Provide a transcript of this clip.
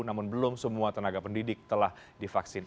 namun belum semua tenaga pendidik telah divaksin